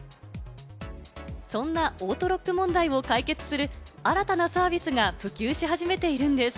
そんなオートロック問題を解決する新たなサービスが普及し始めているんです。